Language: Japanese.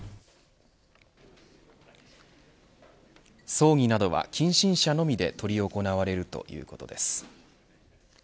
葬儀などは近親者のみで執り行われるということです。